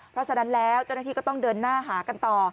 เพราะฉะนั้นแล้วเจ้าหน้าที่ก็ต้องเดินหน้าหากันต่อ